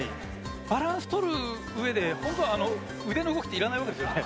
バランス取るうえでほんとは腕の動きっていらないわけですよね。